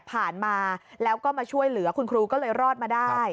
ผ่านมาแล้วก็มาช่วยเหลือคุณครูก็เลยรอดมาได้